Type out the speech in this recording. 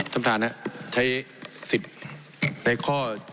ทำธานใช้สิ่งในข้อ